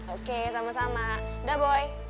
oke sama sama udah boy